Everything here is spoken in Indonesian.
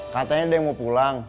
katanya ada yang mau pulang